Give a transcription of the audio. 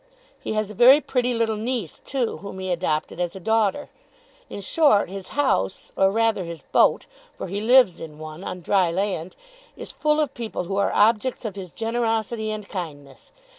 He has a very pretty little niece too, whom he adopted as a daughter. In short, his house or rather his boat, for he lives in one, on dry land is full of people who are objects of his generosity and kindness.